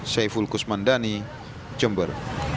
saya fulkus mandani jember